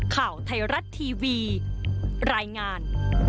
ข่าวไทยรัฐทีวีรายงาน